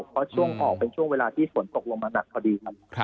เพราะช่วงออกเป็นช่วงเวลาที่ฝนตกลงมาหนักพอดีครับ